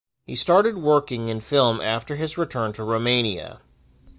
He started working in film after his return to Romania.